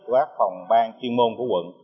của các phòng ban chuyên môn của quận